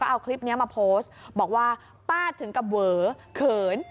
เอาคลิปนี้มาโพสต์บอกว่าป้าถึงกับเวอเขิน